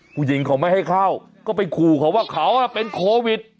ผู้หญิงเขาไม่ให้เข้าก็ไปขู่เขาว่าเขาเป็นโควิด